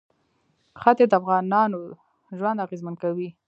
ښتې د افغانانو ژوند اغېزمن کوي.